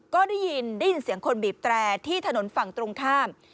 ก็ได้ยินเสียงคนบีบแตรที่ถนนฝั่งตรงข้าม